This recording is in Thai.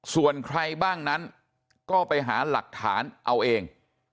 ส่วนใครบ้างนั้นก็ไปหาหลักฐานเอาเอง